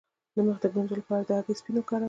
د مخ د ګونځو لپاره د هګۍ سپین وکاروئ